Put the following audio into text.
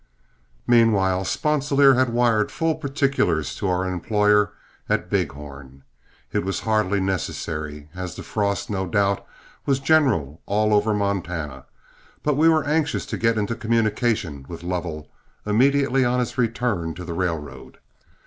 Meanwhile Sponsilier had wired full particulars to our employer at Big Horn. It was hardly necessary, as the frost no doubt was general all over Montana, but we were anxious to get into communication with Lovell immediately on his return to the railroad.